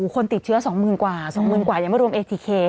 คนติดเชื้อสองหมื่นกว่าสองหมื่นกว่ายังไม่รวมเอธิเค